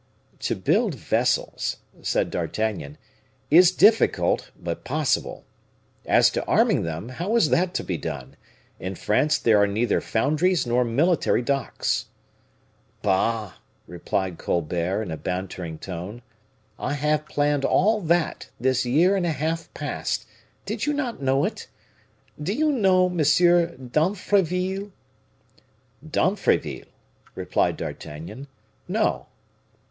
"To build vessels," said D'Artagnan, "is difficult, but possible. As to arming them, how is that to be done? In France there are neither foundries nor military docks." "Bah!" replied Colbert, in a bantering tone, "I have planned all that this year and a half past, did you not know it? Do you know M. d'Imfreville?" "D'Imfreville?" replied D'Artagnan; "no."